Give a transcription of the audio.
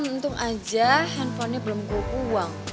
untung aja handphonenya belum gue buang